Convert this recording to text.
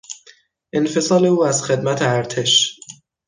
انفصال او از خدمت ارتش